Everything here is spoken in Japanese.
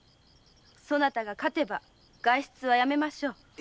そなたが勝てば外出はやめましょう。